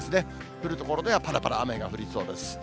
降る所ではぱらぱら雨が降りそうです。